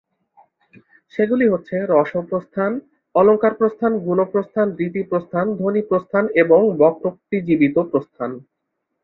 সেগুলি হচ্ছে: রসপ্রস্থান, অলঙ্কারপ্রস্থান, গুণপ্রস্থান, রীতিপ্রস্থান, ধ্বনিপ্রস্থান এবং বক্রোক্তিজীবিতপ্রস্থান।